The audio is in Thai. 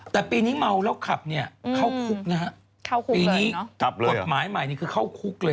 แต่ปีนี้เมาแล้วขับเนี่ยเข้าคุกนะคะ